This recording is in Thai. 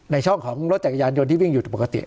ในช่องของรถจักรยานยนต์ที่วิ่งอยู่ปกติ